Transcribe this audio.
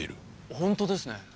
本当ですね。